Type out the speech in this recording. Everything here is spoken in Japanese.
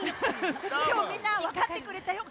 でもみんなわかってくれたよ。